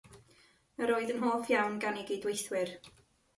Yr oedd yn hoff iawn gan ei gydweithwyr.